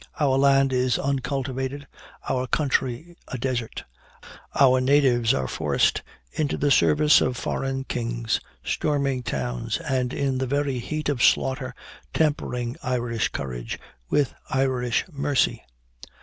Our land is uncultivated; our country a desert; our natives are forced into the service of foreign kings, storming towns, and in the very heat of slaughter tempering Irish courage with Irish mercy.